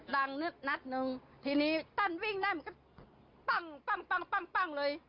นัดหนึ่งทีนี้ตั้นวิ่งได้มันก็ปั้งปั้งปั้งปั้งเลย